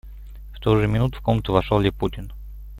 В ту же минуту в комнату вошел Липутин.